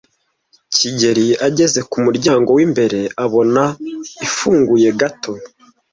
kigeli ageze ku muryango w'imbere, abona ifunguye gato.